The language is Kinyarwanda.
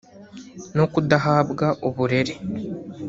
no kudahabwa uburere